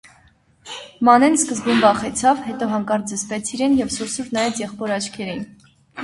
Մանեն սկզբում վախեցավ, հետո հանկարծ զսպեց իրեն և սուր-սուր նայեց եղբոր աչքերին: